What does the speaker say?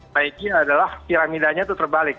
baiknya adalah piramidanya itu terbalik